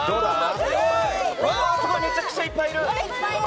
めちゃくちゃいっぱいいる。